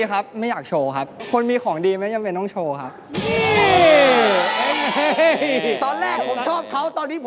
กับติ๊บเป็นอย่างไรคนนี้